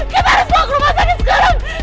kita harus bangun rumah sakit sekarang